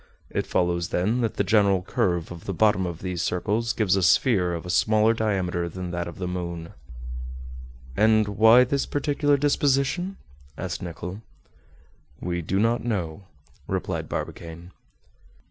It follows, then, that the general curve of the bottom of these circles gives a sphere of a smaller diameter than that of the moon." "And why this peculiar disposition?" asked Nicholl. "We do not know," replied Barbicane.